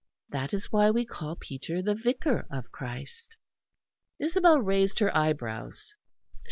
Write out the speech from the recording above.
That is why we call Peter the Vicar of Christ." Isabel raised her eyebrows.